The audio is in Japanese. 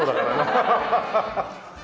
ハハハハ！